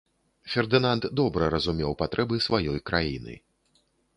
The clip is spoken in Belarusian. Фердынанд добра разумеў патрэбы сваёй краіны.